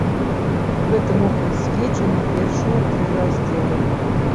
Гэтаму прысвечаны першыя тры раздзелы.